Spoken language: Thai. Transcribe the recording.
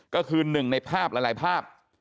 ก็คือหนึ่งในภาพหลายภาพ